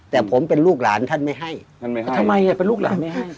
แต่ผมเป็นลูกหลานท่านไม่ให้ทำไมเป็นลูกหลานไม่ให้